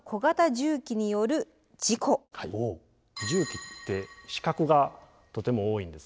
重機って死角がとても多いんです。